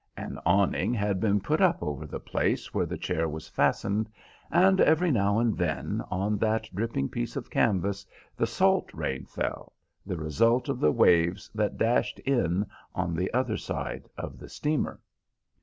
An awning had been put up over the place where the chair was fastened, and every now and then on that dripping piece of canvas the salt rain fell, the result of the waves that dashed in on the other side of the steamer.